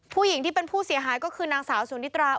ผู้หญิงที่เป็นผู้เสียหายก็คือนางสาวสุนิตรา